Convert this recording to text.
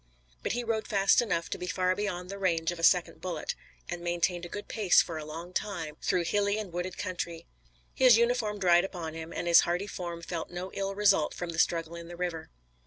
But he rode fast enough to be far beyond the range of a second bullet, and maintained a good pace for a long time, through hilly and wooded country. His uniform dried upon him, and his hardy form felt no ill result from the struggle in the river.